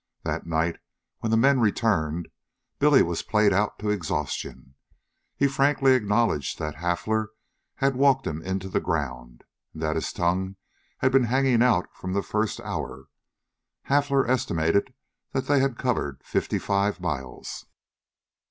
That night, when the men returned, Billy was played out to exhaustion. He frankly acknowledged that Hafler had walked him into the ground, and that his tongue had been hanging out from the first hour. Hafler estimated that they had covered fifty five miles.